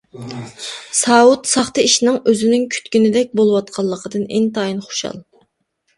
ساۋۇت ساختا ئىشنىڭ ئۆزىنىڭ كۈتكىنىدەك بولۇۋاتقانلىقىدىن ئىنتايىن خۇشال.